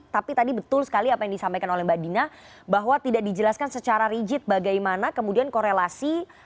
tapi tadi betul sekali apa yang disampaikan oleh mbak dina bahwa tidak dijelaskan secara rigid bagaimana kemudian korelasi